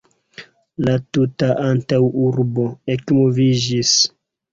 La tuta antaŭurbo ekmoviĝis.